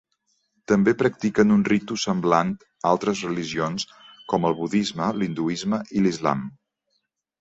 També practiquen un ritu semblant altres religions com el budisme, l'hinduisme i l'islam.